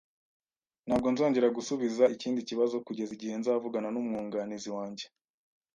Ntabwo nzongera gusubiza ikindi kibazo kugeza igihe nzavugana n'umwunganizi wanjye.